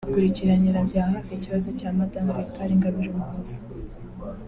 Akurikiranira bya hafi ikibazo cya Madame Victoire Ingabire Umuhoza